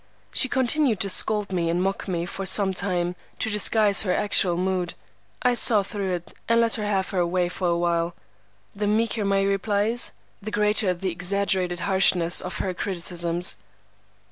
She continued to scold me and mock me for some time, to disguise her actual mood. I saw through it, and let her have her way for a while. The meeker my replies, the greater the exaggerated harshness of her criticisms.